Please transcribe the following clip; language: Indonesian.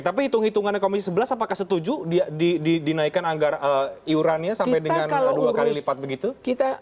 tapi hitung hitungannya komisi sebelas apakah setuju dinaikkan iurannya sampai dengan dua kali lipat begitu